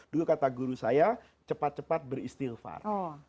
dulu kata guru saya cepat cepat beristilfar